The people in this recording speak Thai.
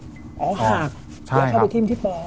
อ๋อหากเลือกเข้าไปทิมที่ปอด